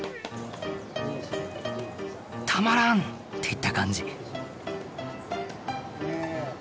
たまらんっ！っていった感じ。